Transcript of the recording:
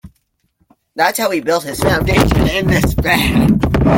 That's how he built his foundation in this band.